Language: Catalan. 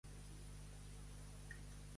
Què es va poder fer gràcies a la policia?